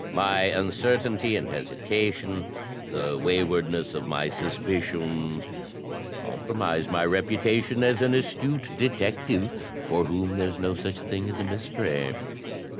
My uncertainty and hesitation, the wa3rwardness of my suspicions, compromise my reputation as an astute detective, for whom there's no such thing as a mystery."